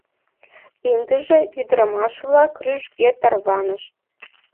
Ындыже ӱдырамаш-влак рӱжге тарванышт.